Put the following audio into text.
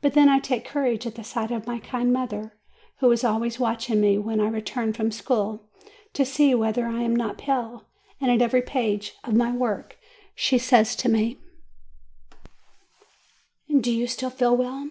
But then I take courage at the sight of my kind mother, who is always watching me, when I return from school, to see whether I am not pale; and at every page of my work she says to me: "Do you still feel well?"